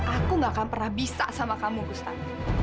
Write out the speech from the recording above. aku nggak akan pernah bisa sama kamu gustaf